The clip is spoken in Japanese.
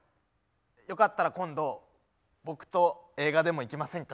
よかったら今度僕と映画でも行きませんか？